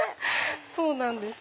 そうなんです。